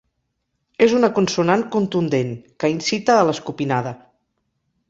És una consonant contundent, que incita a l'escopinada.